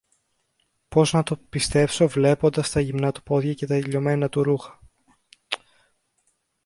Πώς να το πιστέψω, βλέποντας τα γυμνά του πόδια και τα λιωμένα του ρούχα;